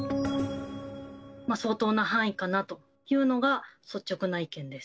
相当な範囲かなというのが率直な意見です。